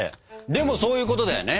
でもそういうことだよね？